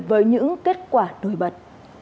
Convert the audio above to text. với những kết quả nổi bật